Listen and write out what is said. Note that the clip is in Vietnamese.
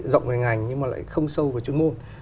rộng về ngành nhưng mà lại không sâu về chuyên môn